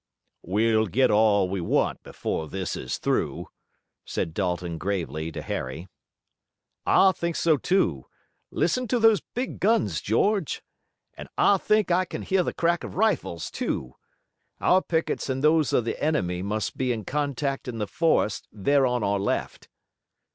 "We'll get all we want before this is through," said Dalton gravely to Harry. "I think so, too. Listen to those big guns, George! And I think I can hear the crack of rifles, too. Our pickets and those of the enemy must be in contact in the forest there on our left."